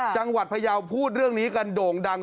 จังหวัดพะเยาพูดเรื่องนี้กะโด่งดัง